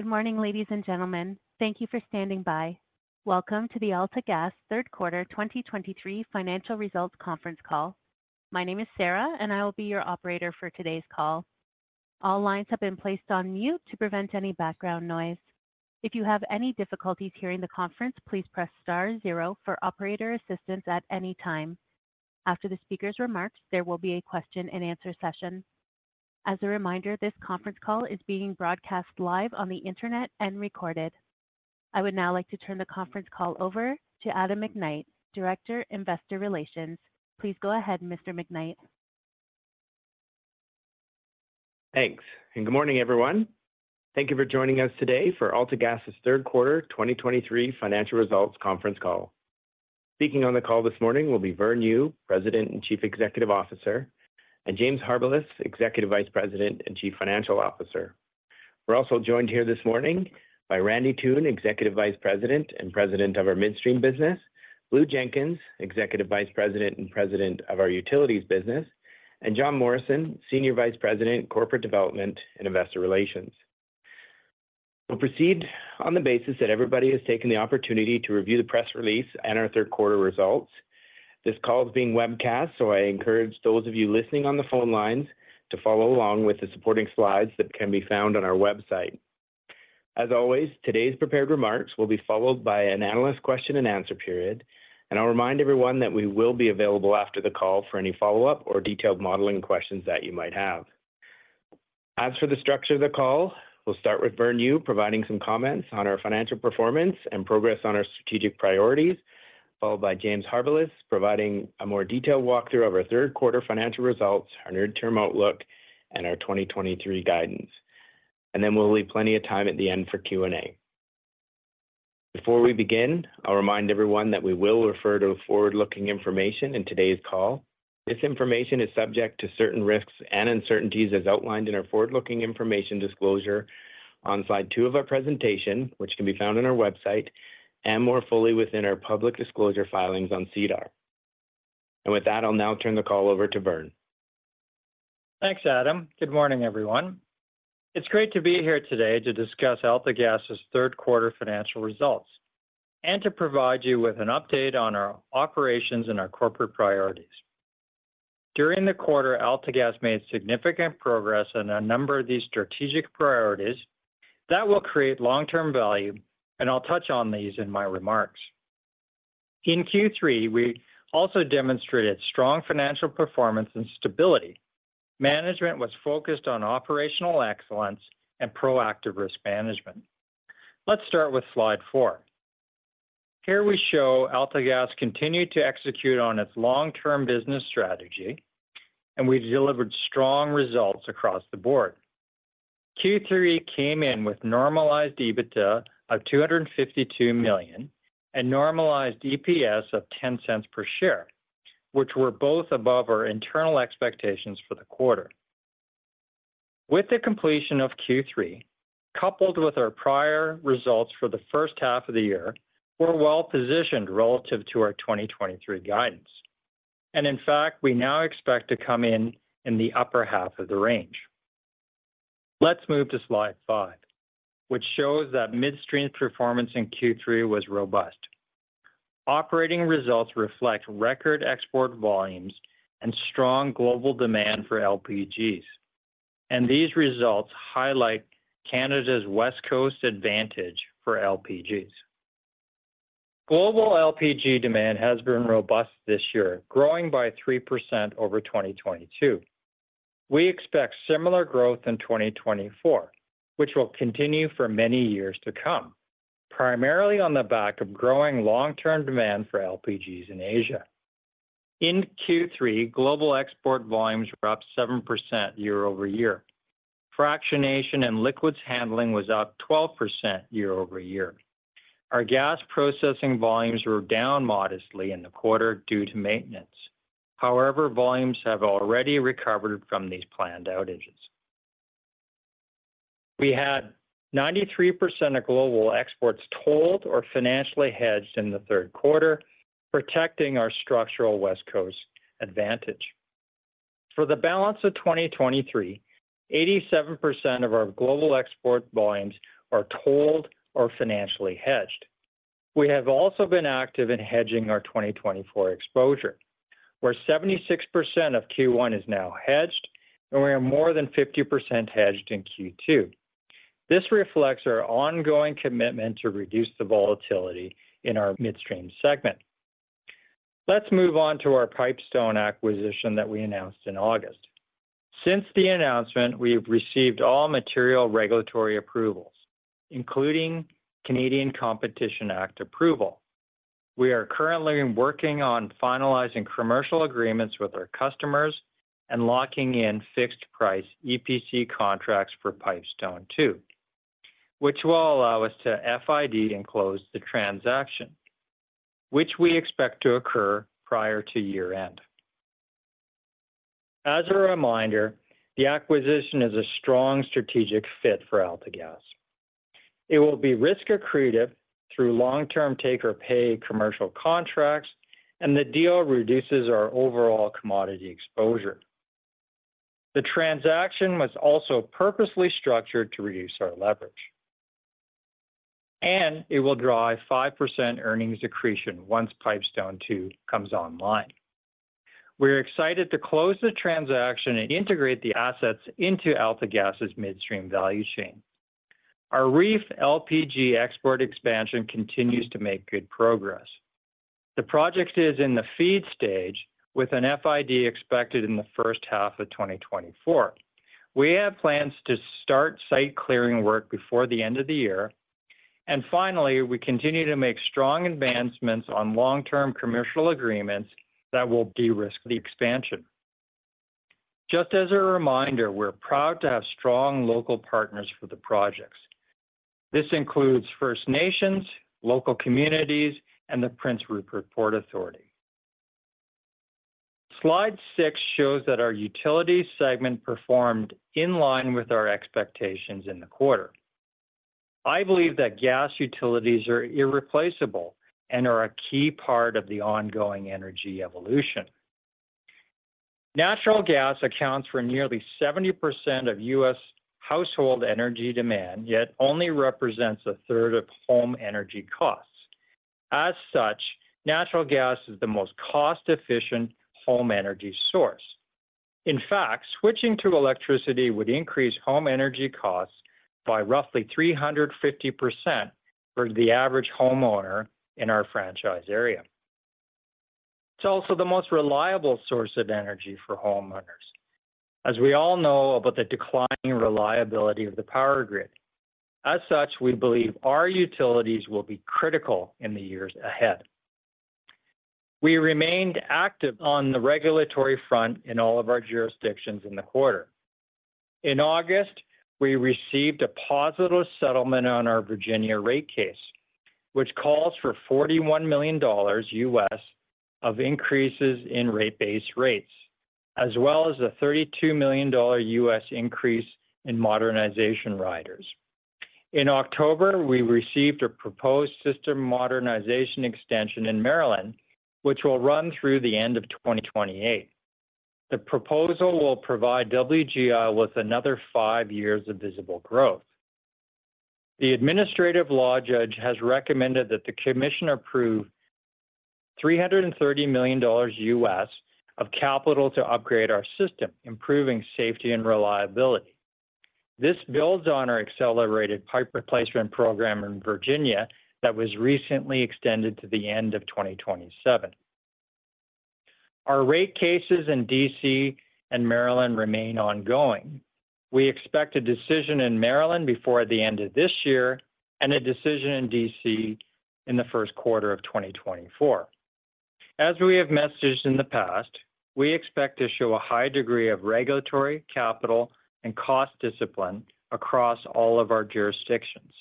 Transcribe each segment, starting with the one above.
Good morning, ladies and gentlemen. Thank you for standing by. Welcome to the AltaGas third quarter 2023 financial results conference call. My name is Sarah, and I will be your operator for today's call. All lines have been placed on mute to prevent any background noise. If you have any difficulties hearing the conference, please press star zero for operator assistance at any time. After the speaker's remarks, there will be a question-and-answer session. As a reminder, this conference call is being broadcast live on the internet and recorded. I would now like to turn the conference call over to Adam McKnight, Director, Investor Relations. Please go ahead, Mr. McKnight. Thanks, and good morning, everyone. Thank you for joining us today for AltaGas's Third Quarter 2023 Financial Results Conference Call. Speaking on the call this morning will be Vern Yu, President and Chief Executive Officer, and James Harbilas, Executive Vice President and Chief Financial Officer. We're also joined here this morning by Randy Toone, Executive Vice President and President of our Midstream business, Blue Jenkins, Executive Vice President and President of our Utilities business, and John Morrison, Senior Vice President, Corporate Development and Investor Relations. We'll proceed on the basis that everybody has taken the opportunity to review the press release and our third quarter results. This call is being webcast, so I encourage those of you listening on the phone lines to follow along with the supporting slides that can be found on our website. As always, today's prepared remarks will be followed by an analyst question-and-answer period, and I'll remind everyone that we will be available after the call for any follow-up or detailed modeling questions that you might have. As for the structure of the call, we'll start with Vern Yu providing some comments on our financial performance and progress on our strategic priorities, followed by James Harbilas providing a more detailed walkthrough of our third quarter financial results, our near-term outlook, and our 2023 guidance. We'll leave plenty of time at the end for Q&A. Before we begin, I'll remind everyone that we will refer to forward-looking information in today's call. This information is subject to certain risks and uncertainties as outlined in our forward-looking information disclosure on slide two of our presentation, which can be found on our website and more fully within our public disclosure filings on SEDAR. With that, I'll now turn the call over to Vern. Thanks, Adam. Good morning, everyone. It's great to be here today to discuss AltaGas's third quarter financial results and to provide you with an update on our operations and our corporate priorities. During the quarter, AltaGas made significant progress on a number of these strategic priorities that will create long-term value, and I'll touch on these in my remarks. In Q3, we also demonstrated strong financial performance and stability. Management was focused on operational excellence and proactive risk management. Let's start with slide four. Here we show AltaGas continued to execute on its long-term business strategy, and we delivered strong results across the board. Q3 came in with normalized EBITDA of 252 million and normalized EPS of 0.10 per share, which were both above our internal expectations for the quarter. With the completion of Q3, coupled with our prior results for the first half of the year, we're well-positioned relative to our 2023 guidance. And in fact, we now expect to come in in the upper half of the range. Let's move to slide 5, which shows that Midstream's performance in Q3 was robust. Operating results reflect record export volumes and strong global demand for LPGs, and these results highlight Canada's West Coast advantage for LPGs. Global LPG demand has been robust this year, growing by 3% over 2022. We expect similar growth in 2024, which will continue for many years to come, primarily on the back of growing long-term demand for LPGs in Asia. In Q3, global export volumes were up 7% year-over-year. Fractionation and liquids handling was up 12% year-over-year. Our gas processing volumes were down modestly in the quarter due to maintenance. However, volumes have already recovered from these planned outages. We had 93% of global exports tolled or financially hedged in the third quarter, protecting our structural West Coast advantage. For the balance of 2023, 87% of our global export volumes are tolled or financially hedged. We have also been active in hedging our 2024 exposure, where 76% of Q1 is now hedged, and we are more than 50% hedged in Q2. This reflects our ongoing commitment to reduce the volatility in our Midstream segment. Let's move on to our Pipestone acquisition that we announced in August. Since the announcement, we have received all material regulatory approvals, including Canadian Competition Act approval. We are currently working on finalizing commercial agreements with our customers and locking in fixed-price EPC contracts for Pipestone II, which will allow us to FID and close the transaction, which we expect to occur prior to year-end. As a reminder, the acquisition is a strong strategic fit for AltaGas. It will be risk accretive through long-term take-or-pay commercial contracts, and the deal reduces our overall commodity exposure.... The transaction was also purposely structured to reduce our leverage, and it will drive 5% earnings accretion once Pipestone II comes online. We're excited to close the transaction and integrate the assets into AltaGas's Midstream value chain. Our REEF LPG export expansion continues to make good progress. The project is in the FEED stage, with an FID expected in the first half of 2024. We have plans to start site clearing work before the end of the year. And finally, we continue to make strong advancements on long-term commercial agreements that will de-risk the expansion. Just as a reminder, we're proud to have strong local partners for the projects. This includes First Nations, local communities, and the Prince Rupert Port Authority. Slide 6 shows that our Utility segment performed in line with our expectations in the quarter. I believe that gas utilities are irreplaceable and are a key part of the ongoing energy evolution. Natural gas accounts for nearly 70% of U.S. household energy demand, yet only represents 1/3 of home energy costs. As such, natural gas is the most cost-efficient home energy source. In fact, switching to electricity would increase home energy costs by roughly 350% for the average homeowner in our franchise area. It's also the most reliable source of energy for homeowners, as we all know about the declining reliability of the power grid. As such, we believe our utilities will be critical in the years ahead. We remained active on the regulatory front in all of our jurisdictions in the quarter. In August, we received a positive settlement on our Virginia rate case, which calls for $41 million of increases in rate base rates, as well as a $32 million increase in modernization riders. In October, we received a proposed system modernization extension in Maryland, which will run through the end of 2028. The proposal will provide WGL with another five years of visible growth. The administrative law judge has recommended that the commission approve $330 million of capital to upgrade our system, improving safety and reliability. This builds on our accelerated pipe replacement program in Virginia that was recently extended to the end of 2027. Our rate cases in D.C. and Maryland remain ongoing. We expect a decision in Maryland before the end of this year and a decision in D.C. in the first quarter of 2024. As we have messaged in the past, we expect to show a high degree of regulatory, capital, and cost discipline across all of our jurisdictions.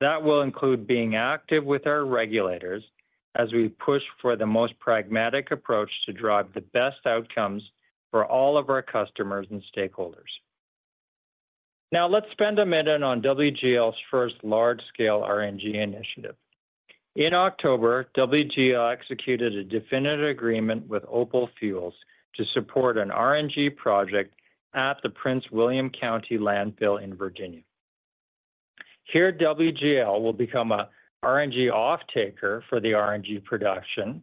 That will include being active with our regulators as we push for the most pragmatic approach to drive the best outcomes for all of our customers and stakeholders. Now, let's spend a minute on WGL's first large-scale RNG initiative. In October, WGL executed a definitive agreement with OPAL Fuels to support an RNG project at the Prince William County Landfill in Virginia. Here, WGL will become a RNG offtaker for the RNG production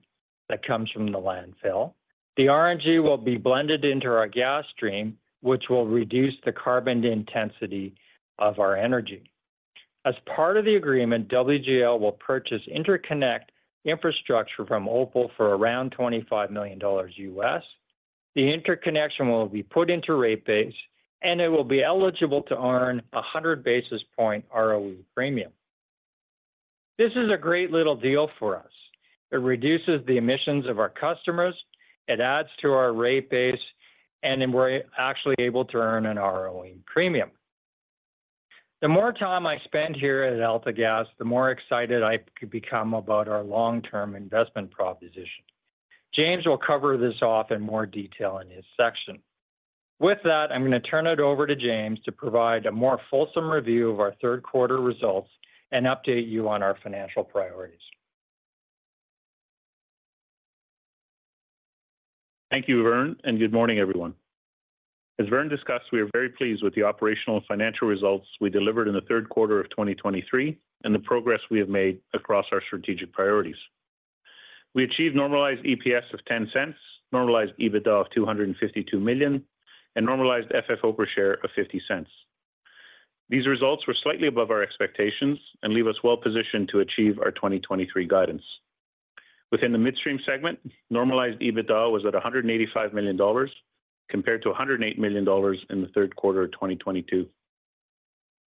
that comes from the landfill. The RNG will be blended into our gas stream, which will reduce the carbon intensity of our energy. As part of the agreement, WGL will purchase interconnect infrastructure from OPAL for around $25 million. The interconnection will be put into rate base, and it will be eligible to earn a 100 basis point ROE premium. This is a great little deal for us. It reduces the emissions of our customers, it adds to our rate base, and then we're actually able to earn an ROE premium. The more time I spend here at AltaGas, the more excited I could become about our long-term investment proposition. James will cover this off in more detail in his section. With that, I'm going to turn it over to James to provide a more fulsome review of our third quarter results and update you on our financial priorities. Thank you, Vern, and good morning, everyone. As Vern discussed, we are very pleased with the operational and financial results we delivered in the third quarter of 2023 and the progress we have made across our strategic priorities. We achieved normalized EPS of 0.10, normalized EBITDA of 252 million, and normalized FFO per share of 0.50. These results were slightly above our expectations and leave us well-positioned to achieve our 2023 guidance. Within the Midstream segment, normalized EBITDA was at 185 million dollars, compared to 108 million dollars in the third quarter of 2022.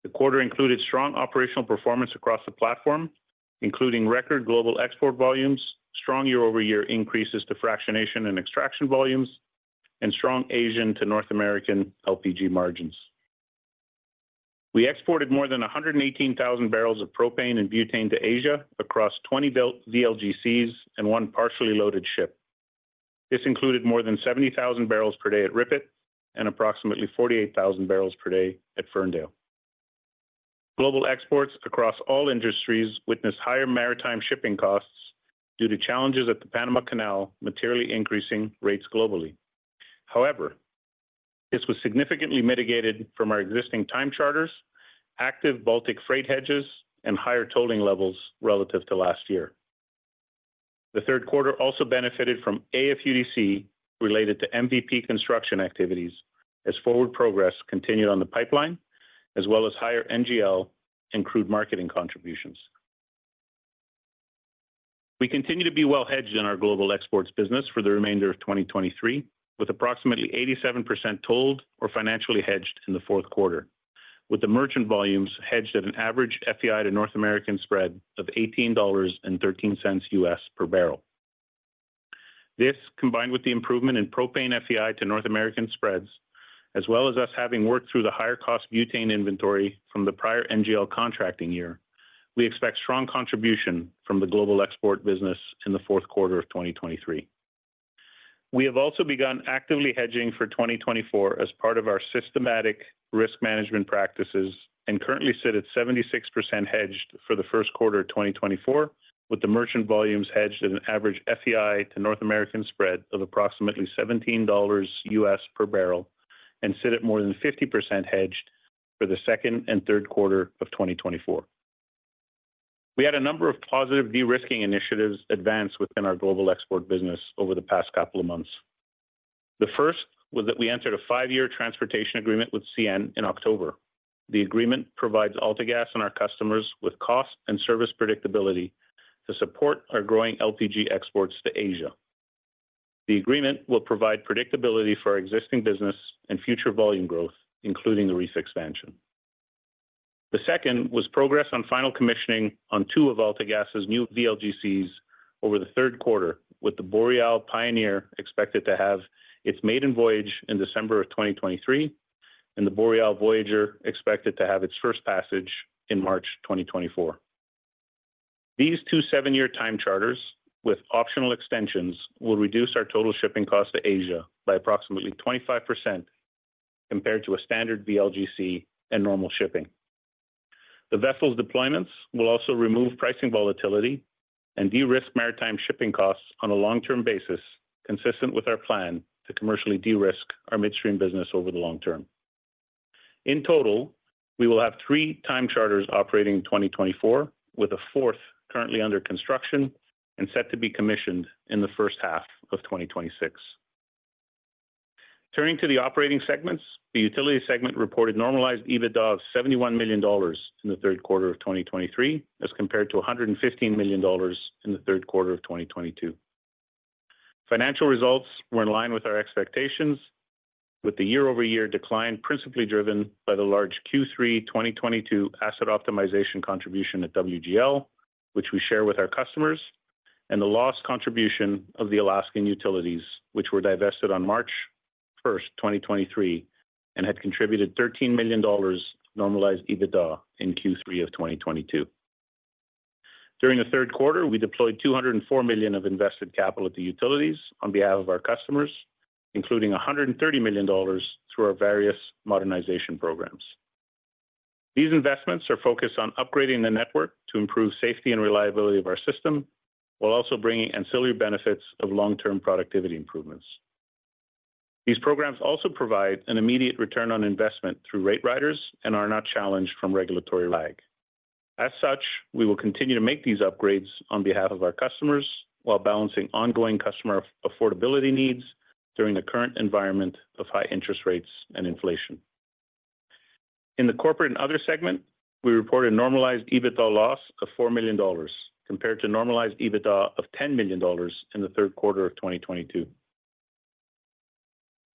The quarter included strong operational performance across the platform, including record global export volumes, strong year-over-year increases to fractionation and extraction volumes, and strong Asian to North American LPG margins. We exported more than 118,000 barrels of propane and butane to Asia across 20 built VLGCs and one partially loaded ship. This included more than 70,000 barrels per day at RIPET and approximately 48,000 barrels per day at Ferndale. Global exports across all industries witnessed higher maritime shipping costs due to challenges at the Panama Canal, materially increasing rates globally. However, this was significantly mitigated from our existing time charters, active Baltic Freight hedges, and higher tolling levels relative to last year. The third quarter also benefited from AFUDC related to MVP construction activities as forward progress continued on the pipeline, as well as higher NGL and crude marketing contributions. We continue to be well hedged in our global exports business for the remainder of 2023, with approximately 87% tolled or financially hedged in the fourth quarter, with the merchant volumes hedged at an average FEI to North American spread of $18.13 per barrel. This, combined with the improvement in propane FEI to North American spreads, as well as us having worked through the higher cost butane inventory from the prior NGL contracting year, we expect strong contribution from the global export business in the fourth quarter of 2023. We have also begun actively hedging for 2024 as part of our systematic risk management practices and currently sit at 76% hedged for the first quarter of 2024, with the merchant volumes hedged at an average FEI to North American spread of approximately $17 per barrel and sit at more than 50% hedged for the second and third quarter of 2024. We had a number of positive de-risking initiatives advance within our global export business over the past couple of months. The first was that we entered a five-year transportation agreement with CN in October. The agreement provides AltaGas and our customers with cost and service predictability to support our growing LPG exports to Asia. The agreement will provide predictability for our existing business and future volume growth, including the REEF expansion. The second was progress on final commissioning on two of AltaGas's new VLGCs over the third quarter, with the Boreal Pioneer expected to have its maiden voyage in December of 2023, and the Boreal Voyager expected to have its first passage in March 2024. These two seven-year time charters with optional extensions will reduce our total shipping cost to Asia by approximately 25% compared to a standard VLGC and normal shipping. The vessel's deployments will also remove pricing volatility and de-risk maritime shipping costs on a long-term basis, consistent with our plan to commercially de-risk our midstream business over the long term. In total, we will have three time charters operating in 2024, with a fourth currently under construction and set to be commissioned in the first half of 2026. Turning to the operating segments, the Utility segment reported normalized EBITDA of 71 million dollars in the third quarter of 2023, as compared to 115 million dollars in the third quarter of 2022. Financial results were in line with our expectations, with the year-over-year decline principally driven by the large Q3 2022 asset optimization contribution at WGL, which we share with our customers, and the lost contribution of the Alaskan utilities, which were divested on March 1, 2023, and had contributed 13 million dollars to normalized EBITDA in Q3 of 2022. During the third quarter, we deployed 204 million of invested capital at the utilities on behalf of our customers, including 130 million dollars through our various modernization programs. These investments are focused on upgrading the network to improve safety and reliability of our system, while also bringing ancillary benefits of long-term productivity improvements. These programs also provide an immediate return on investment through rate riders and are not challenged from regulatory lag. As such, we will continue to make these upgrades on behalf of our customers while balancing ongoing customer affordability needs during the current environment of high interest rates and inflation. In the Corporate/Other segment, we reported a normalized EBITDA loss of 4 million dollars, compared to normalized EBITDA of 10 million dollars in the third quarter of 2022.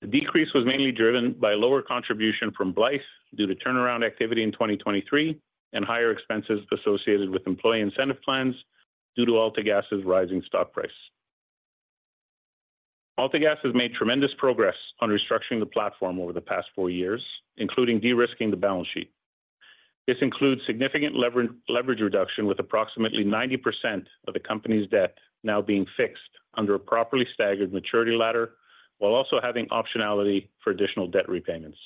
The decrease was mainly driven by lower contribution from Blythe due to turnaround activity in 2023 and higher expenses associated with employee incentive plans due to AltaGas's rising stock price. AltaGas has made tremendous progress on restructuring the platform over the past 4 years, including de-risking the balance sheet. This includes significant leverage reduction, with approximately 90% of the company's debt now being fixed under a properly staggered maturity ladder, while also having optionality for additional debt repayments.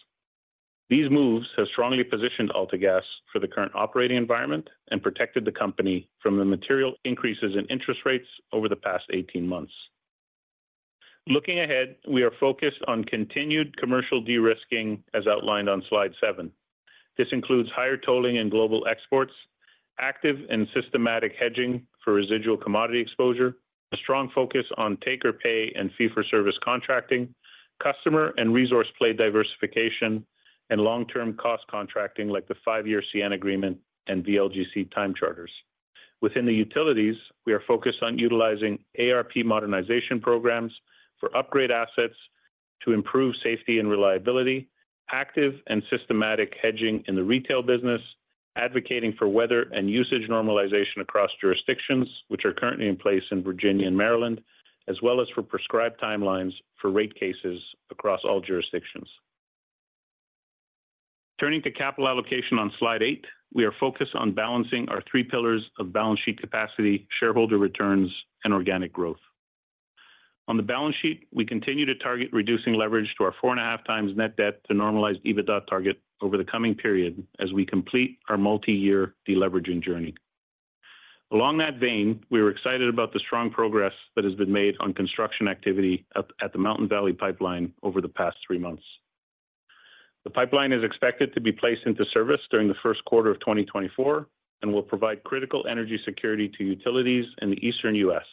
These moves have strongly positioned AltaGas for the current operating environment and protected the company from the material increases in interest rates over the past 18 months. Looking ahead, we are focused on continued commercial de-risking, as outlined on slide 7. This includes higher tolling and global exports, active and systematic hedging for residual commodity exposure, a strong focus on take-or-pay and fee-for-service contracting, customer and resource play diversification, and long-term cost contracting, like the five-year CN agreement and VLGC time charters. Within the utilities, we are focused on utilizing ARP modernization programs for upgrade assets to improve safety and reliability, active and systematic hedging in the retail business, advocating for weather and usage normalization across jurisdictions, which are currently in place in Virginia and Maryland, as well as for prescribed timelines for rate cases across all jurisdictions. Turning to capital allocation on slide 8, we are focused on balancing our three pillars of balance sheet capacity, shareholder returns, and organic growth.... On the balance sheet, we continue to target reducing leverage to our 4.5x net debt to normalized EBITDA target over the coming period as we complete our multiyear deleveraging journey. Along that vein, we are excited about the strong progress that has been made on construction activity at the Mountain Valley Pipeline over the past three months. The pipeline is expected to be placed into service during the first quarter of 2024 and will provide critical energy security to utilities in the Eastern U.S.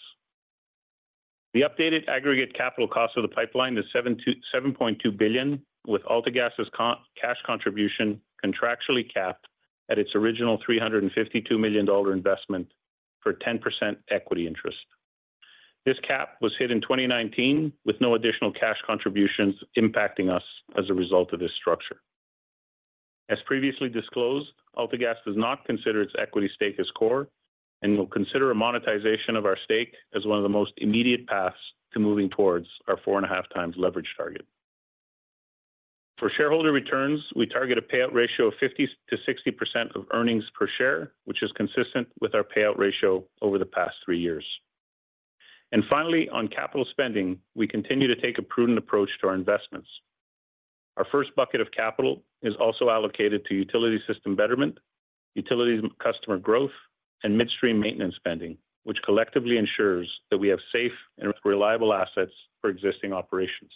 The updated aggregate capital cost of the pipeline is $7.2 billion, with AltaGas's cash contribution contractually capped at its original $352 million investment for 10% equity interest. This cap was hit in 2019, with no additional cash contributions impacting us as a result of this structure. As previously disclosed, AltaGas does not consider its equity stake as core and will consider a monetization of our stake as one of the most immediate paths to moving towards our 4.5x leverage target. For shareholder returns, we target a payout ratio of 50%-60% of earnings per share, which is consistent with our payout ratio over the past three years. And finally, on capital spending, we continue to take a prudent approach to our investments. Our first bucket of capital is also allocated to utility system betterment, utilities customer growth, and midstream maintenance spending, which collectively ensures that we have safe and reliable assets for existing operations.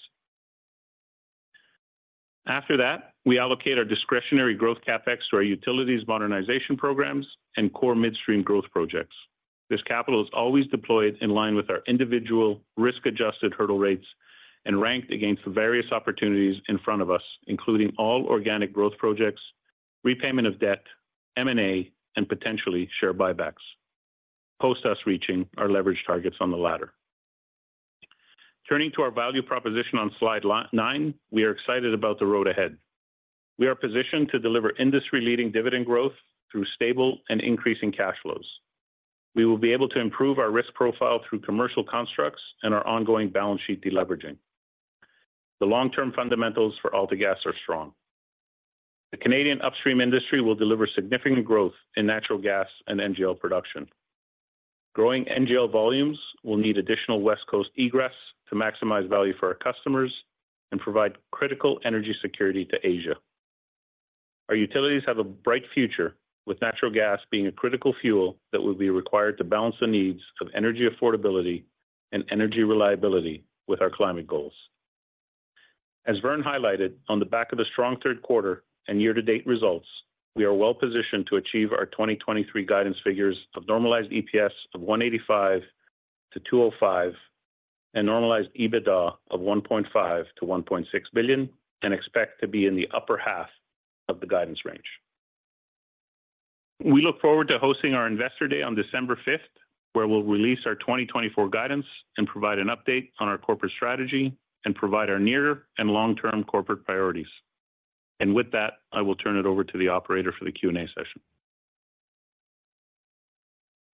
After that, we allocate our discretionary growth CapEx to our utilities modernization programs and core midstream growth projects. This capital is always deployed in line with our individual risk-adjusted hurdle rates and ranked against the various opportunities in front of us, including all organic growth projects, repayment of debt, M&A, and potentially share buybacks, post us reaching our leverage targets on the latter. Turning to our value proposition on slide 9, we are excited about the road ahead. We are positioned to deliver industry-leading dividend growth through stable and increasing cash flows. We will be able to improve our risk profile through commercial constructs and our ongoing balance sheet deleveraging. The long-term fundamentals for AltaGas are strong. The Canadian upstream industry will deliver significant growth in natural gas and NGL production. Growing NGL volumes will need additional West Coast egress to maximize value for our customers and provide critical energy security to Asia. Our utilities have a bright future, with natural gas being a critical fuel that will be required to balance the needs of energy affordability and energy reliability with our climate goals. As Vern highlighted, on the back of a strong third quarter and year-to-date results, we are well positioned to achieve our 2023 guidance figures of normalized EPS of 1.85-2.05 and normalized EBITDA of 1.5 billion-1.6 billion, and expect to be in the upper half of the guidance range. We look forward to hosting our Investor Day on December 5th, where we'll release our 2024 guidance and provide an update on our corporate strategy and provide our near and long-term corporate priorities. With that, I will turn it over to the operator for the Q&A session.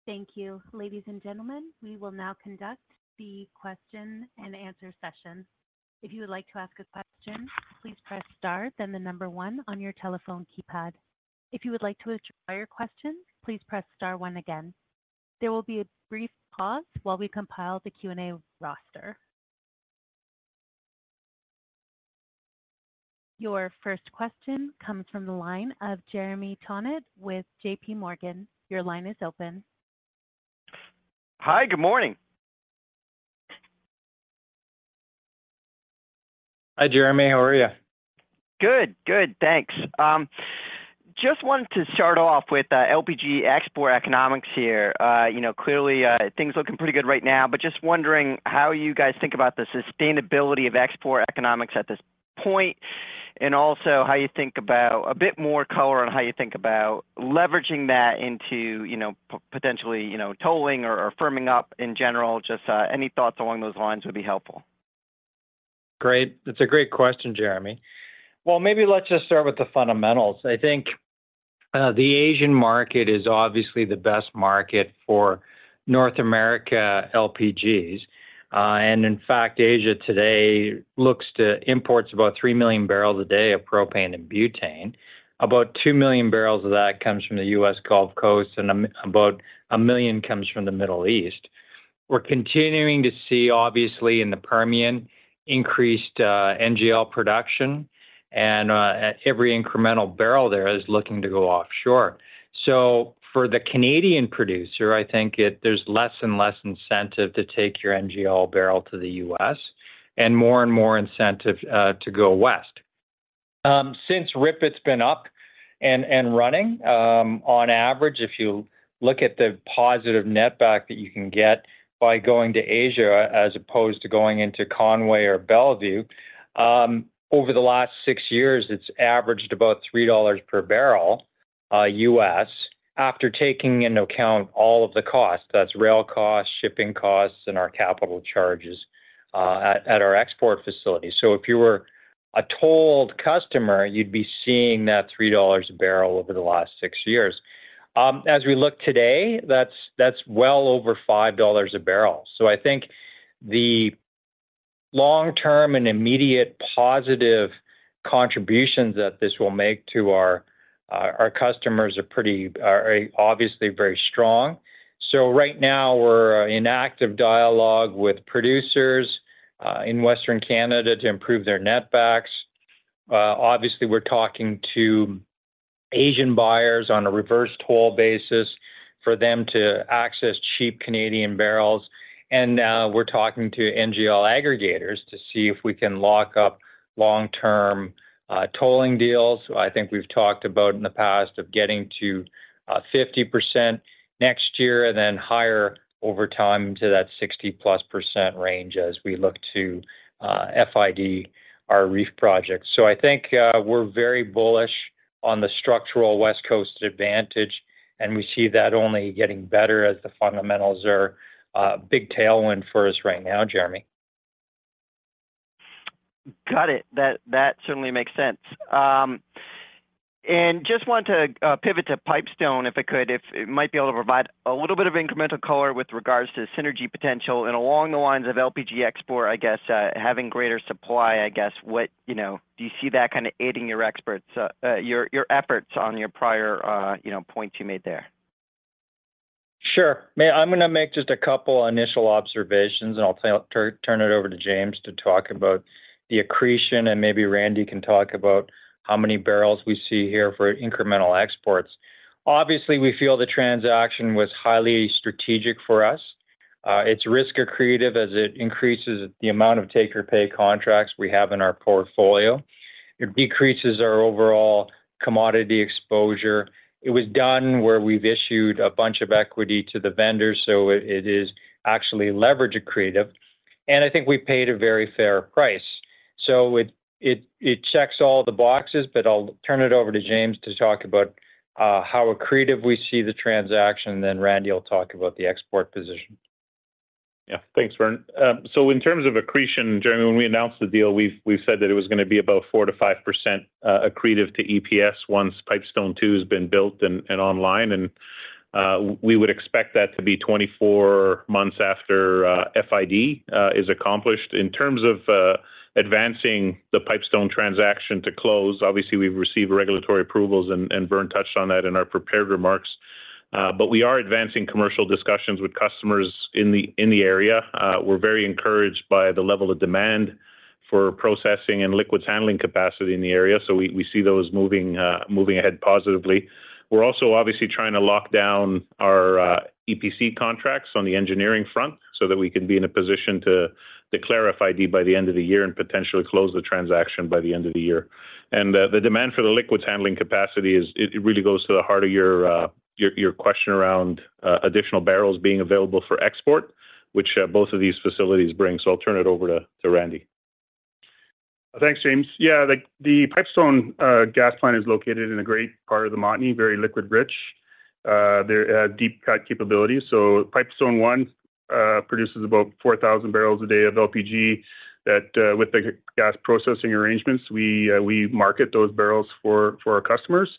Thank you. Ladies and gentlemen, we will now conduct the question and answer session. If you would like to ask a question, please press star, then the number one on your telephone keypad. If you would like to withdraw your question, please press star one again. There will be a brief pause while we compile the Q&A roster. Your first question comes from the line of Jeremy Tonet with JP Morgan. Your line is open. Hi, good morning. Hi, Jeremy. How are you? Good. Good. Thanks. Just wanted to start off with LPG export economics here. You know, clearly, things are looking pretty good right now, but just wondering how you guys think about the sustainability of export economics at this point, and also how you think about... a bit more color on how you think about leveraging that into, you know, potentially, you know, tolling or, or firming up in general. Just any thoughts along those lines would be helpful. Great! That's a great question, Jeremy. Well, maybe let's just start with the fundamentals. I think, the Asian market is obviously the best market for North America LPGs. And in fact, Asia today looks to imports about 3 million barrels a day of propane and butane. About 2 million barrels of that comes from the U.S. Gulf Coast, and about 1 million comes from the Middle East. We're continuing to see, obviously, in the Permian, increased, NGL production, and, at every incremental barrel there is looking to go offshore. So for the Canadian producer, I think there's less and less incentive to take your NGL barrel to the U.S. and more and more incentive, to go west. Since RIPET, it's been up and running. On average, if you look at the positive netback that you can get by going to Asia as opposed to going into Conway or Mont Belvieu, over the last six years, it's averaged about $3 per barrel, U.S., after taking into account all of the costs. That's rail costs, shipping costs, and our capital charges at our export facilities. So if you were a tolled customer, you'd be seeing that $3 a barrel over the last six years. As we look today, that's well over $5 a barrel. So I think the-... long-term and immediate positive contributions that this will make to our customers are pretty obviously very strong. So right now we're in active dialogue with producers in Western Canada to improve their net backs. Obviously, we're talking to Asian buyers on a reverse toll basis for them to access cheap Canadian barrels. And now we're talking to NGL aggregators to see if we can lock up long-term tolling deals. I think we've talked about in the past of getting to 50% next year and then higher over time into that 60%+ range as we look to FID our REEF project. So I think we're very bullish on the structural West Coast advantage, and we see that only getting better as the fundamentals are a big tailwind for us right now, Jeremy. Got it. That certainly makes sense. And just want to pivot to Pipestone, if I could. If it might be able to provide a little bit of incremental color with regards to synergy potential and along the lines of LPG export, I guess, having greater supply, I guess, what you know, do you see that kind of aiding your exports, your efforts on your prior, you know, points you made there? Sure. Maybe I'm gonna make just a couple initial observations, and I'll turn it over to James to talk about the accretion, and maybe Randy can talk about how many barrels we see here for incremental exports. Obviously, we feel the transaction was highly strategic for us. It's risk accretive as it increases the amount of take-or-pay contracts we have in our portfolio. It decreases our overall commodity exposure. It was done where we've issued a bunch of equity to the vendors, so it is actually leverage accretive, and I think we paid a very fair price. So it checks all the boxes, but I'll turn it over to James to talk about how accretive we see the transaction, then Randy will talk about the export position. Yeah. Thanks, Vern. So in terms of accretion, Jeremy, when we announced the deal, we, we said that it was gonna be about 4%-5%, accretive to EPS once Pipestone II has been built and, and online, and, we would expect that to be 24 months after, FID, is accomplished. In terms of advancing the Pipestone transaction to close. Obviously, we've received regulatory approvals, and, and Vern touched on that in our prepared remarks, but we are advancing commercial discussions with customers in the, in the area. We're very encouraged by the level of demand for processing and liquids handling capacity in the area, so we, we see those moving, moving ahead positively. We're also obviously trying to lock down our EPC contracts on the engineering front so that we can be in a position to declare a FID by the end of the year and potentially close the transaction by the end of the year. And the demand for the liquids handling capacity is. It really goes to the heart of your question around additional barrels being available for export, which both of these facilities bring. So I'll turn it over to Randy. Thanks, James. Yeah, the Pipestone gas plant is located in a great part of the Montney, very liquid rich. They're deep cut capabilities. So Pipestone I produces about 4,000 barrels a day of LPG that, with the gas processing arrangements, we market those barrels for our customers.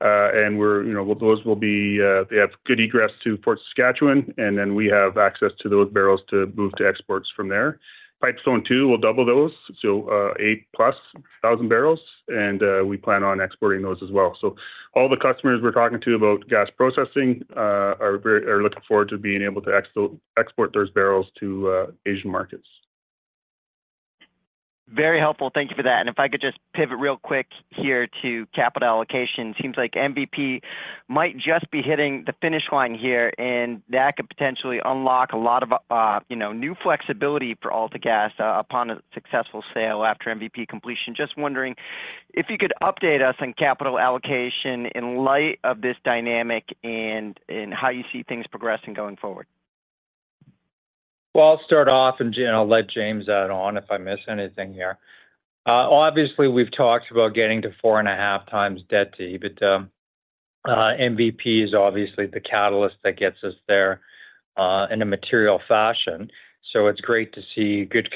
And we're—you know, those will be, they have good egress to Port Saskatchewan, and then we have access to those barrels to move to exports from there. Pipestone II will double those, so 8,000+ barrels, and we plan on exporting those as well. So all the customers we're talking to about gas processing are very, are looking forward to being able to export those barrels to Asian markets. Very helpful. Thank you for that. If I could just pivot real quick here to capital allocation. Seems like MVP might just be hitting the finish line here, and that could potentially unlock a lot of, you know, new flexibility for all the gas, upon a successful sale after MVP completion. Just wondering if you could update us on capital allocation in light of this dynamic and, and how you see things progressing going forward. Well, I'll start off and I'll let James add on if I miss anything here. Obviously, we've talked about getting to 4.5x debt to EBITDA. MVP is obviously the catalyst that gets us there in a material fashion, so it's great to see good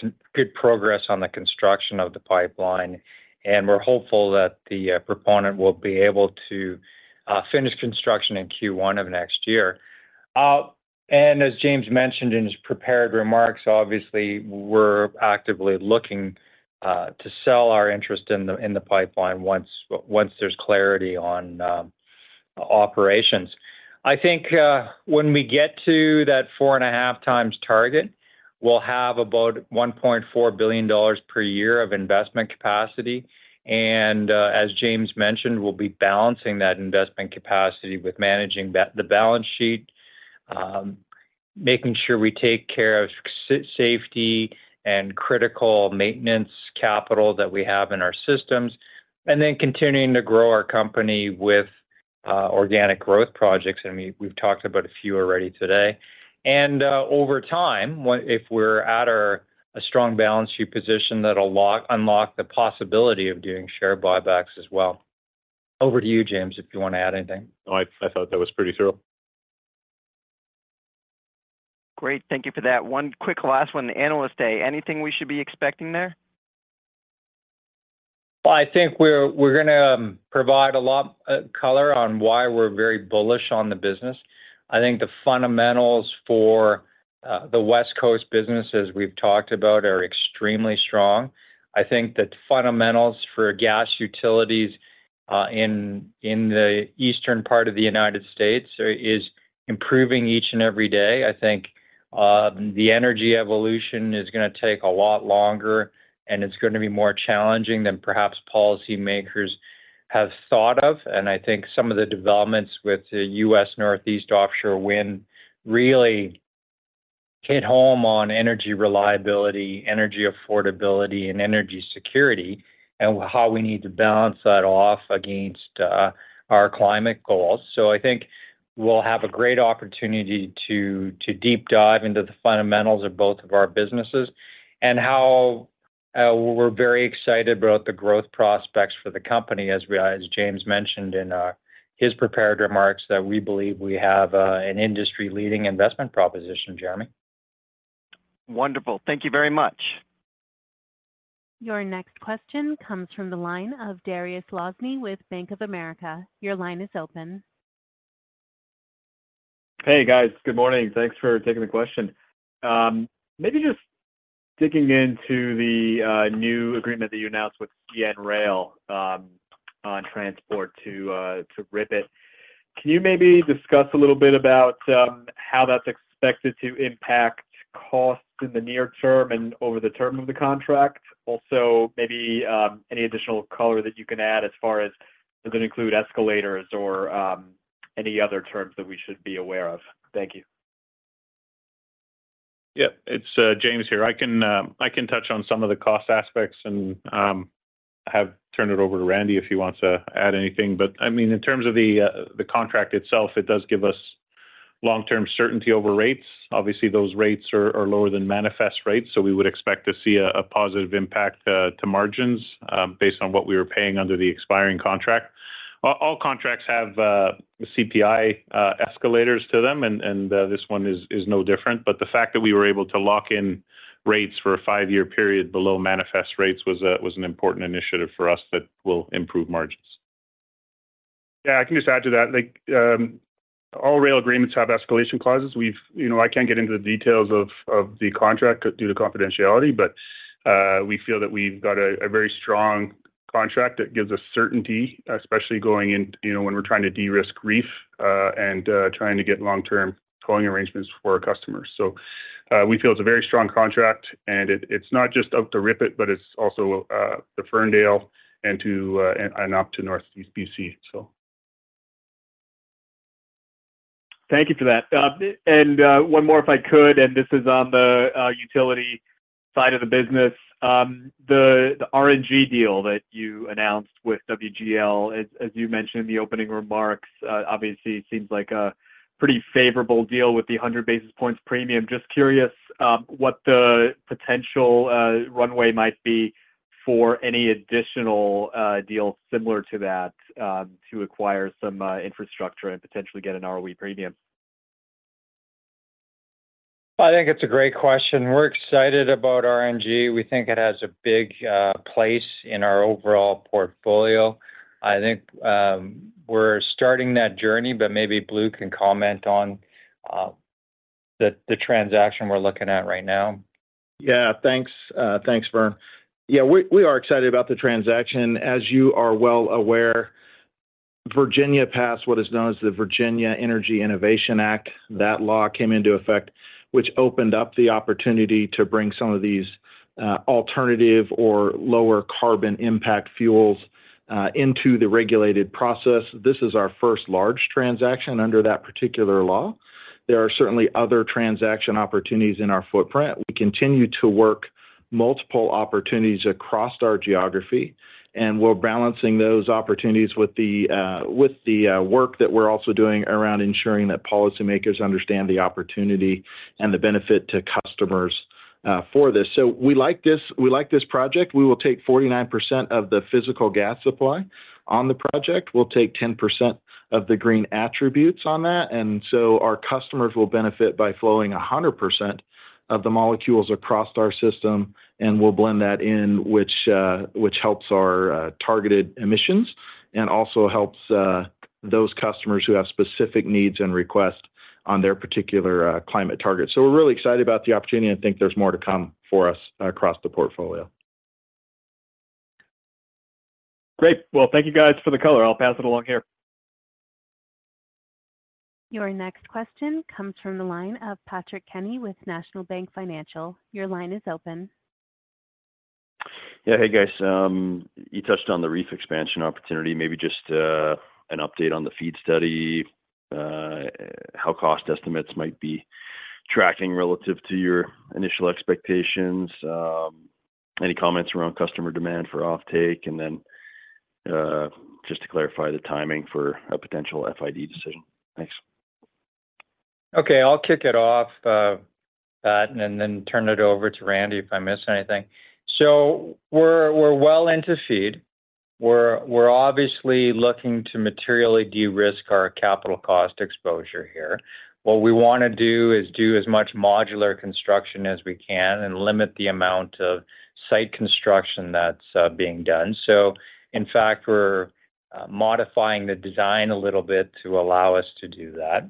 progress on the construction of the pipeline, and we're hopeful that the proponent will be able to finish construction in Q1 of next year. And as James mentioned in his prepared remarks, obviously, we're actively looking to sell our interest in the pipeline once there's clarity on operations. I think, when we get to that 4.5x target, we'll have about 1.4 billion dollars per year of investment capacity, and, as James mentioned, we'll be balancing that investment capacity with managing the balance sheet, making sure we take care of safety and critical maintenance capital that we have in our systems, and then continuing to grow our company with organic growth projects. I mean, we've talked about a few already today. Over time, if we're at a strong balance sheet position, that'll unlock the possibility of doing share buybacks as well. Over to you, James, if you wanna add anything. No, I thought that was pretty thorough. Great. Thank you for that. One quick last one, the Analyst Day. Anything we should be expecting there?... Well, I think we're, we're gonna provide a lot of color on why we're very bullish on the business. I think the fundamentals for the West Coast business, as we've talked about, are extremely strong. I think the fundamentals for gas utilities in the eastern part of the United States are- is improving each and every day. I think the energy evolution is gonna take a lot longer, and it's gonna be more challenging than perhaps policymakers have thought of. And I think some of the developments with the U.S. Northeast offshore wind really hit home on energy reliability, energy affordability, and energy security, and how we need to balance that off against our climate goals. So I think we'll have a great opportunity to deep dive into the fundamentals of both of our businesses and how we're very excited about the growth prospects for the company, as James mentioned in his prepared remarks, that we believe we have an industry-leading investment proposition, Jeremy. Wonderful. Thank you very much. Your next question comes from the line of Dariusz Lozny with Bank of America. Your line is open. Hey, guys. Good morning. Thanks for taking the question. Maybe just digging into the new agreement that you announced with CN Rail, on transport to, to Rupert. Can you maybe discuss a little bit about, how that's expected to impact costs in the near term and over the term of the contract? Also, maybe, any additional color that you can add as far as, does it include escalators or, any other terms that we should be aware of? Thank you. Yeah. It's James here. I can touch on some of the cost aspects, and I have turned it over to Randy if he wants to add anything. But, I mean, in terms of the contract itself, it does give us long-term certainty over rates. Obviously, those rates are lower than manifest rates, so we would expect to see a positive impact to margins based on what we were paying under the expiring contract. All contracts have CPI escalators to them, and this one is no different. But the fact that we were able to lock in rates for a five-year period below manifest rates was an important initiative for us that will improve margins. Yeah, I can just add to that. Like, all rail agreements have escalation clauses. We've-- You know, I can't get into the details of the contract due to confidentiality, but we feel that we've got a very strong contract that gives us certainty, especially going in, you know, when we're trying to de-risk REEF, and trying to get long-term tolling arrangements for our customers. So, we feel it's a very strong contract, and it's not just up to Rupert, but it's also the Ferndale and too, and up to Northeast BC, so. Thank you for that. And, one more, if I could, and this is on the utility side of the business. The RNG deal that you announced with WGL, as you mentioned in the opening remarks, obviously, it seems like a pretty favorable deal with the 100 basis points premium. Just curious, what the potential runway might be for any additional deal similar to that, to acquire some infrastructure and potentially get an ROE premium? I think it's a great question. We're excited about RNG. We think it has a big place in our overall portfolio. I think, we're starting that journey, but maybe Blue can comment on the transaction we're looking at right now. Yeah, thanks. Thanks, Vern. Yeah, we, we are excited about the transaction. As you are well aware, Virginia passed what is known as the Virginia Energy Innovation Act. That law came into effect, which opened up the opportunity to bring some of these alternative or lower carbon impact fuels into the regulated process. This is our first large transaction under that particular law. There are certainly other transaction opportunities in our footprint. We continue to work multiple opportunities across our geography, and we're balancing those opportunities with the work that we're also doing around ensuring that policymakers understand the opportunity and the benefit to customers for this. So we like this. We like this project. We will take 49% of the physical gas supply on the project. We'll take 10% of the green attributes on that, and so our customers will benefit by flowing 100% of the molecules across our system, and we'll blend that in, which, which helps our, targeted emissions and also helps, those customers who have specific needs and requests on their particular, climate target. So we're really excited about the opportunity, and I think there's more to come for us across the portfolio. Great. Well, thank you guys for the color. I'll pass it along here. Your next question comes from the line of Patrick Kenny with National Bank Financial. Your line is open. Yeah. Hey, guys. You touched on the REEF expansion opportunity. Maybe just an update on the FEED study, how cost estimates might be tracking relative to your initial expectations, any comments around customer demand for offtake, and then just to clarify the timing for a potential FID decision. Thanks. Okay, I'll kick it off, Pat, and then turn it over to Randy if I missed anything. So we're well into FEED. We're obviously looking to materially de-risk our capital cost exposure here. What we wanna do is do as much modular construction as we can and limit the amount of site construction that's being done. So in fact, we're modifying the design a little bit to allow us to do that.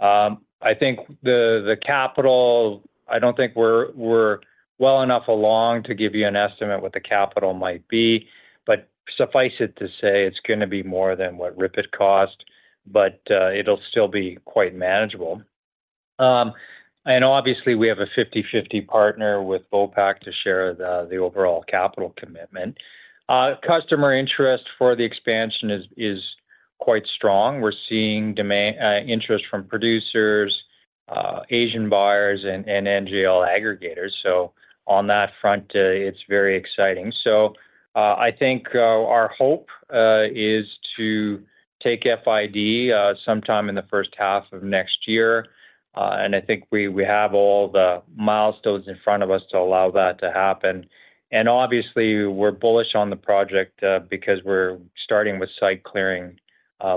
I think the capital, I don't think we're well enough along to give you an estimate what the capital might be, but suffice it to say, it's gonna be more than what RIPET cost, but it'll still be quite manageable. And obviously, we have a 50/50 partner with Vopak to share the overall capital commitment. Customer interest for the expansion is quite strong. We're seeing demand interest from producers, Asian buyers, and, and NGL aggregators. So on that front, it's very exciting. So, I think, our hope, is to take FID, sometime in the first half of next year. And I think we, we have all the milestones in front of us to allow that to happen. And obviously, we're bullish on the project, because we're starting with site clearing,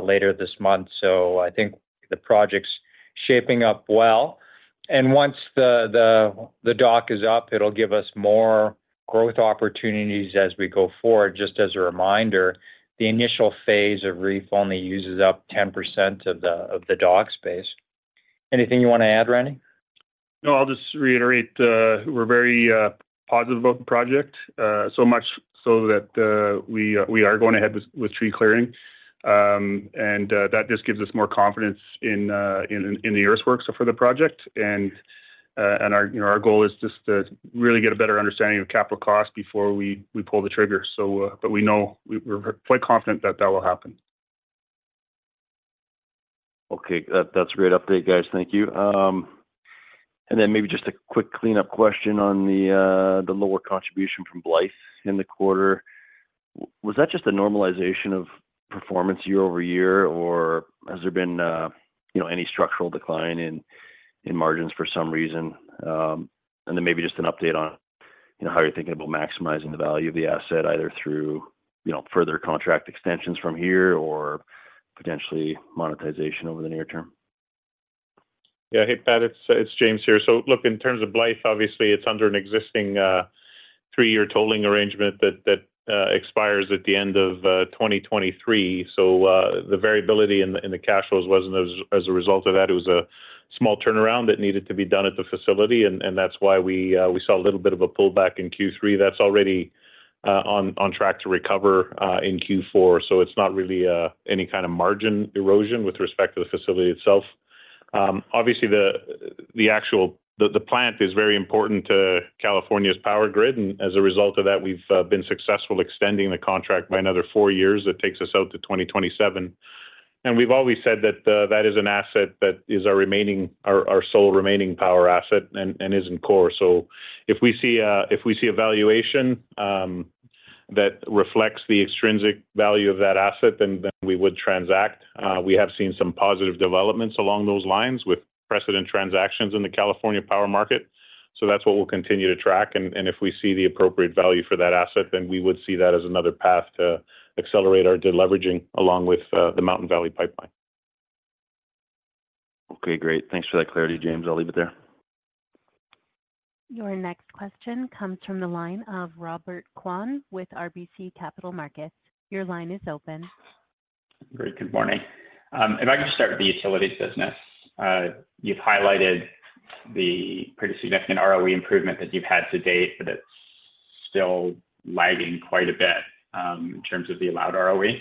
later this month. So I think the project's shaping up well, and once the, the, the dock is up, it'll give us more growth opportunities as we go forward. Just as a reminder, the initial phase of REEF only uses up 10% of the, of the dock space. Anything you wanna add, Randy? No, I'll just reiterate, we're very positive about the project, so much so that we are going ahead with tree clearing. And that just gives us more confidence in the earthwork, so for the project. And our, you know, our goal is just to really get a better understanding of capital costs before we pull the trigger. So, but we know—we're quite confident that that will happen. Okay, that's a great update, guys. Thank you. And then maybe just a quick cleanup question on the lower contribution from Blythe in the quarter. Was that just a normalization of performance year-over-year, or has there been, you know, any structural decline in margins for some reason? And then maybe just an update on, you know, how you're thinking about maximizing the value of the asset, either through, you know, further contract extensions from here or potentially monetization over the near term. Yeah. Hey, Pat, it's James here. So look, in terms of Blythe, obviously, it's under an existing three-year tolling arrangement that expires at the end of 2023. So the variability in the cash flows wasn't as a result of that. It was a small turnaround that needed to be done at the facility, and that's why we saw a little bit of a pullback in Q3 that's already on track to recover in Q4. So it's not really any kind of margin erosion with respect to the facility itself. Obviously, the plant is very important to California's power grid, and as a result of that, we've been successful extending the contract by another four years. That takes us out to 2027. And we've always said that that is an asset that is our remaining our sole remaining power asset and is in core. So if we see a valuation that reflects the extrinsic value of that asset, then we would transact. We have seen some positive developments along those lines with precedent transactions in the California power market. So that's what we'll continue to track, and if we see the appropriate value for that asset, then we would see that as another path to accelerate our deleveraging, along with the Mountain Valley Pipeline. Okay, great. Thanks for that clarity, James. I'll leave it there. Your next question comes from the line of Robert Kwan with RBC Capital Markets. Your line is open. Great, good morning. If I could start with the utilities business. You've highlighted the pretty significant ROE improvement that you've had to date, but it's still lagging quite a bit in terms of the allowed ROE.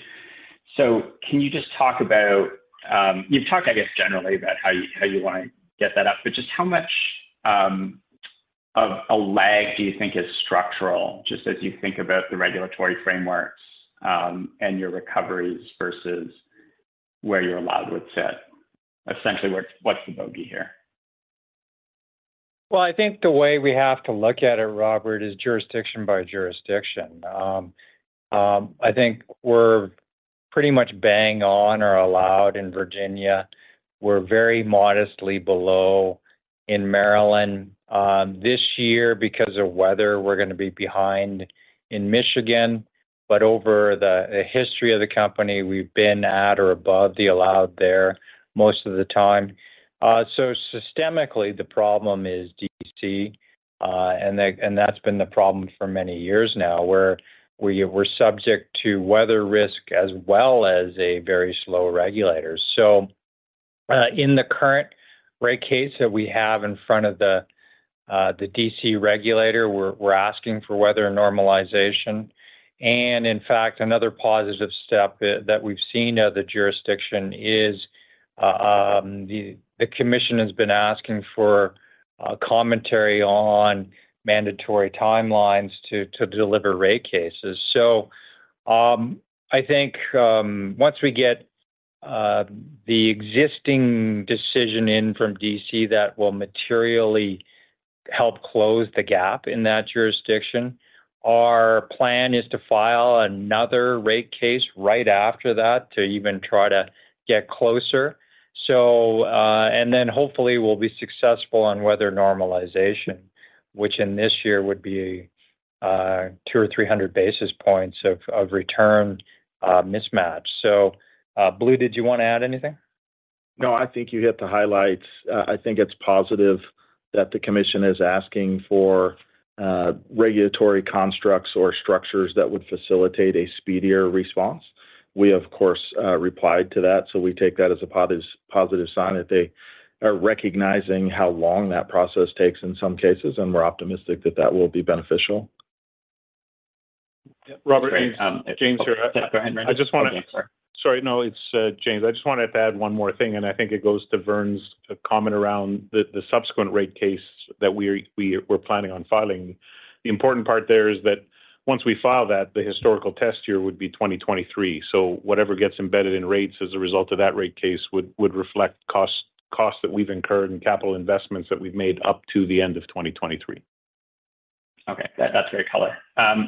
So can you just talk about... You've talked, I guess, generally about how you wanna get that up, but just how much of a lag do you think is structural, just as you think about the regulatory frameworks and your recoveries versus where you're allowed with set? Essentially, what's the bogey here? Well, I think the way we have to look at it, Robert, is jurisdiction by jurisdiction. I think we're pretty much bang on or allowed in Virginia. We're very modestly below in Maryland. This year, because of weather, we're gonna be behind in Michigan, but over the, the history of the company, we've been at or above the allowed there most of the time. So systemically, the problem is D.C., and that's been the problem for many years now, where we're subject to weather risk as well as a very slow regulator. So, in the current rate case that we have in front of the, the D.C. regulator, we're asking for weather normalization. And in fact, another positive step that we've seen at the jurisdiction is the commission has been asking for commentary on mandatory timelines to deliver rate cases. So, I think once we get the existing decision in from D.C., that will materially help close the gap in that jurisdiction. Our plan is to file another rate case right after that, to even try to get closer. So, and then hopefully, we'll be successful on weather normalization, which in this year would be 200 or 300 basis points of return mismatch. So, Blue, did you want to add anything? No, I think you hit the highlights. I think it's positive that the commission is asking for regulatory constructs or structures that would facilitate a speedier response. We, of course, replied to that, so we take that as a positive sign that they are recognizing how long that process takes in some cases, and we're optimistic that that will be beneficial. Robert, James here. Go ahead, James. I just wanna. Sorry, no, it's James. I just wanted to add one more thing, and I think it goes to Vern's comment around the subsequent rate case that we're planning on filing. The important part there is that once we file that, the historical test year would be 2023. So whatever gets embedded in rates as a result of that rate case would reflect costs that we've incurred and capital investments that we've made up to the end of 2023. Okay, that, that's great color.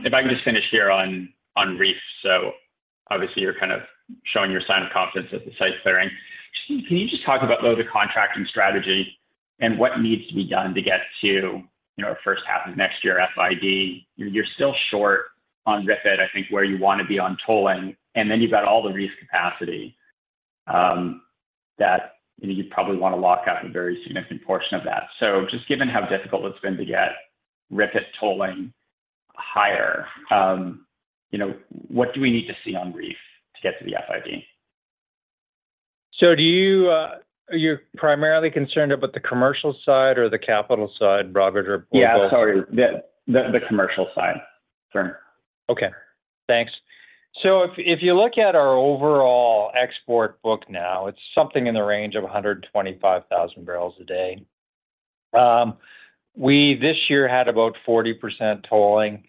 If I can just finish here on, on REEF. So obviously, you're kind of showing your sign of confidence at the site clearing. Can you just talk about, though, the contracting strategy and what needs to be done to get to, you know, first half of next year, FID? You're, you're still short on FID, I think where you want to be on tolling, and then you've got all the REEF capacity, that you'd probably want to lock up a very significant portion of that. So just given how difficult it's been to get FID tolling higher, you know, what do we need to see on REEF to get to the FID? Do you, are you primarily concerned about the commercial side or the capital side, Robert, or both? Yeah, sorry. The commercial side, Vern. Okay, thanks. So if you look at our overall export book now, it's something in the range of 125,000 barrels a day. We this year had about 40% tolling.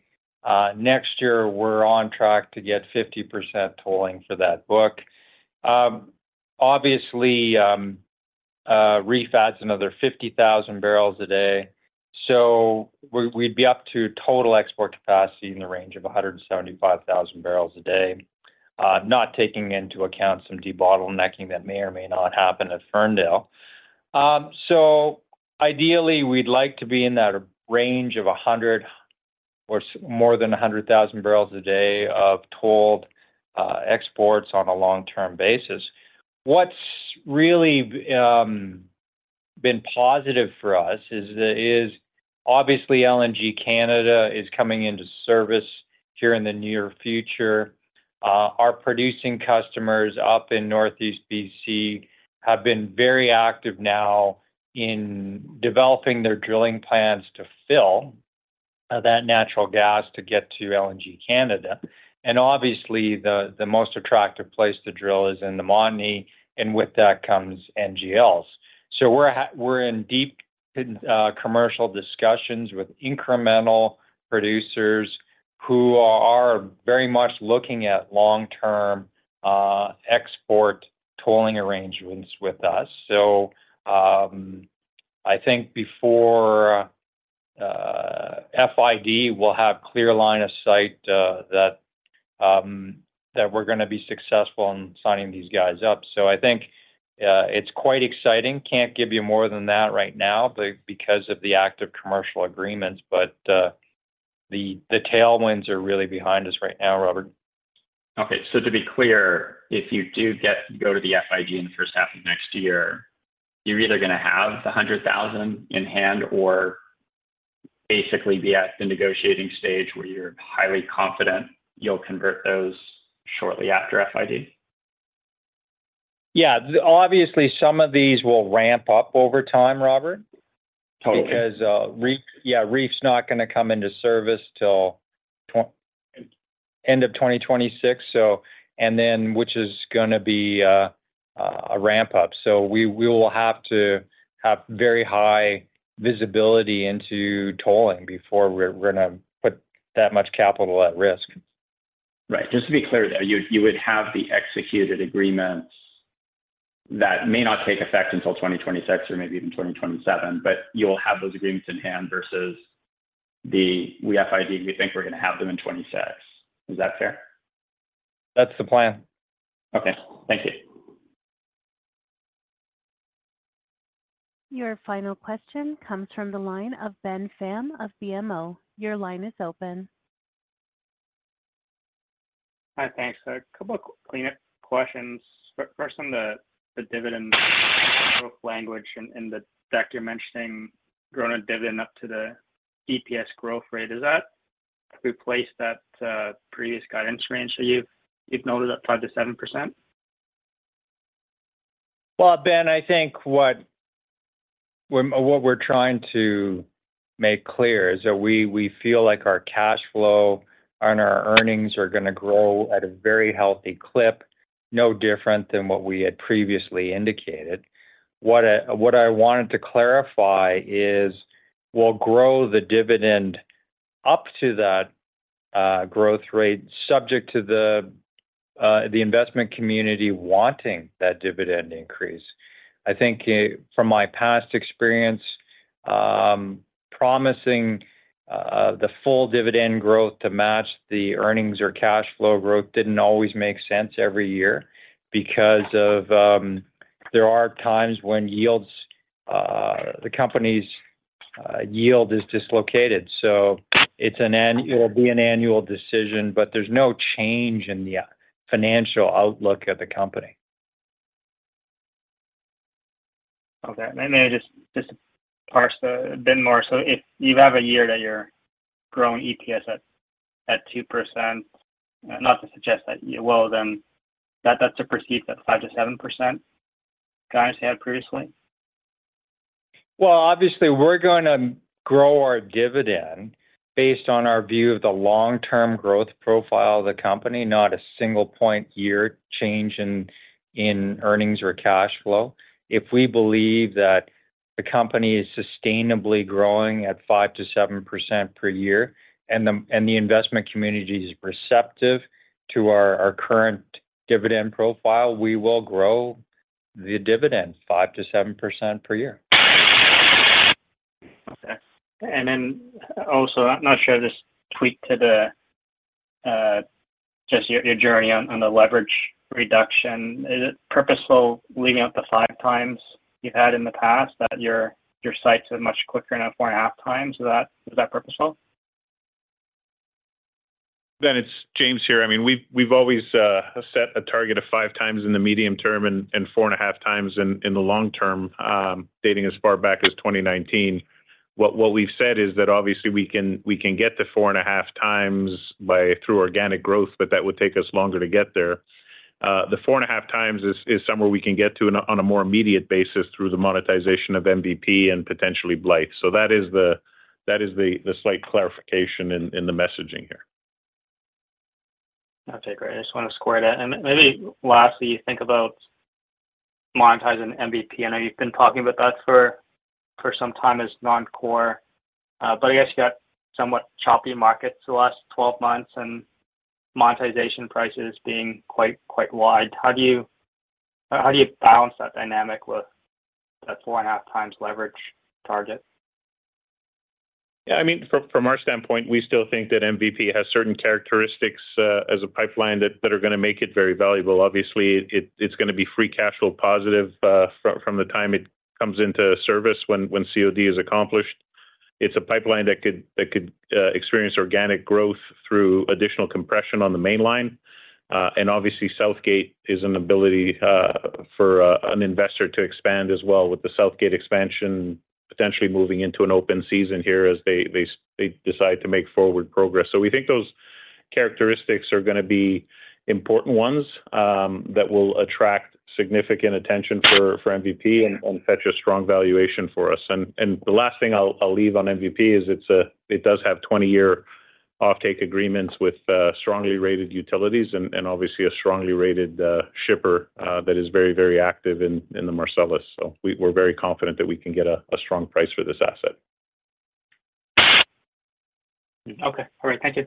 Next year, we're on track to get 50% tolling for that book. Obviously, REEF adds another 50,000 barrels a day, so we'd be up to total export capacity in the range of 175,000 barrels a day. Not taking into account some debottlenecking that may or may not happen at Ferndale. So ideally, we'd like to be in that range of 100 or more than 100,000 barrels a day of tolled exports on a long-term basis. What's really been positive for us is obviously LNG Canada is coming into service here in the near future. Our producing customers up in Northeast BC have been very active now in developing their drilling plans to fill that natural gas to get to LNG Canada. And obviously, the most attractive place to drill is in the Montney, and with that comes NGLs. So we're in deep commercial discussions with incremental producers who are very much looking at long-term export tolling arrangements with us. So I think before FID, we'll have clear line of sight that we're gonna be successful in signing these guys up. So I think it's quite exciting. Can't give you more than that right now, but because of the active commercial agreements, but the tailwinds are really behind us right now, Robert. Okay, so to be clear, if you do get to go to the FID in the first half of next year, you're either gonna have the 100,000 in hand or basically be at the negotiating stage where you're highly confident you'll convert those shortly after FID? Yeah. Obviously, some of these will ramp up over time, Robert. Totally. Because, REEF's not gonna come into service till end of 2026, so... And then, which is gonna be a ramp-up. So we will have to have very high visibility into tolling before we're gonna put that much capital at risk. Right. Just to be clear, you would have the executed agreements that may not take effect until 2026 or maybe even 2027, but you'll have those agreements in hand versus the, "We FID, we think we're gonna have them in 2026." Is that fair? That's the plan. Okay. Thank you. Your final question comes from the line of Ben Pham of BMO. Your line is open. Hi, thanks. A couple of cleanup questions. First, on the dividend growth language in the deck, you're mentioning growing a dividend up to the DPS growth rate. Is that—Have we placed that previous guidance range so you've noted that 5%-7%? Well, Ben, I think what we're trying to make clear is that we feel like our cash flow and our earnings are gonna grow at a very healthy clip, no different than what we had previously indicated. What I wanted to clarify is we'll grow the dividend up to that growth rate, subject to the, the investment community wanting that dividend increase. I think, from my past experience, the full dividend growth to match the earnings or cash flow growth didn't always make sense every year because of, there are times when yields, the company's, yield is dislocated. So it's an annual decision, but there's no change in the, financial outlook at the company. Okay. Let me just parse a bit more. So if you have a year that you're growing EPS at 2%, not to suggest that you will, then that's precedent for that 5%-7% guidance you had previously? Well, obviously we're gonna grow our dividend based on our view of the long-term growth profile of the company, not a single point year change in earnings or cash flow. If we believe that the company is sustainably growing at 5%-7% per year, and the investment community is receptive to our current dividend profile, we will grow the dividend 5%-7% per year. Okay. Then also, I'm not sure this tweak to the just your journey on the leverage reduction. Is it purposeful leading up to the 5x you've had in the past that your sites are much quicker now, 4.5x? Is that purposeful? Ben it's James here. I mean, we've always set a target of 5x in the medium term and 4.5x in the long term, dating as far back as 2019. What we've said is that obviously we can get to 4.5x by through organic growth, but that would take us longer to get there. The 4.5x is somewhere we can get to on a more immediate basis through the monetization of MVP and potentially Blythe. So that is the slight clarification in the messaging here. Okay, great. I just want to square that. And maybe lastly, you think about monetizing MVP. I know you've been talking about that for some time as non-core, but I guess you got somewhat choppy markets the last 12 months, and monetization prices being quite, quite wide. How do you, how do you balance that dynamic with that 4.5x leverage target? Yeah, I mean, from our standpoint, we still think that MVP has certain characteristics as a pipeline that are gonna make it very valuable. Obviously, it, it's gonna be free cash flow positive from the time it comes into service, when COD is accomplished. It's a pipeline that could experience organic growth through additional compression on the mainline. And obviously, Southgate is an ability for an investor to expand as well with the Southgate expansion, potentially moving into an open season here as they decide to make forward progress. So we think those characteristics are gonna be important ones that will attract significant attention for MVP and fetch a strong valuation for us. And the last thing I'll leave on MVP is it's a, it does have 20-year offtake agreements with strongly rated utilities and obviously a strongly rated shipper that is very, very active in the Marcellus. So we're very confident that we can get a strong price for this asset. Okay. All right, thank you.